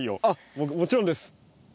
あっもちろんです。